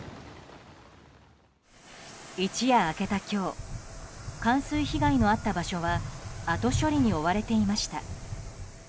一夜明けた今日冠水被害のあった場所は後処理に追われていました。